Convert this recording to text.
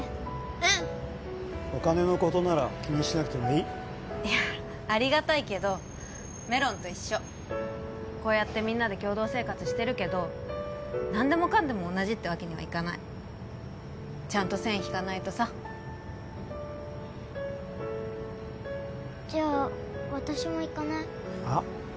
うんお金のことなら気にしなくてもいいいやありがたいけどメロンと一緒こうやってみんなで共同生活してるけど何でもかんでも同じってわけにはいかないちゃんと線引かないとさじゃあ私も行かないはっ？